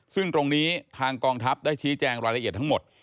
ซึ่งตรงนี้ทางกองทัพได้ชี้แจงรายละเอียดทั้งหมด